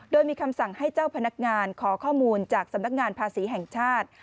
โดยมีคำสั่งให้เจ้าพนักงานขอข้อมูลจากสำนักงานภาษีแห่งชาติ